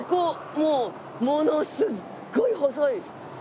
もうものすっごい細い道だった。